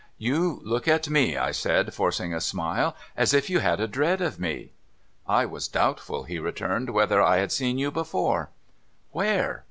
°' You look at me,' I said, forcing a smile, ' as if you had a dread of me.' ' I was doubtful,' he returned, ' whether I had seen vou before '« Where